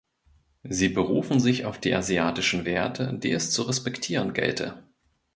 Sie berufen sich auf die asiatischen Werte, die es zu respektieren gälte.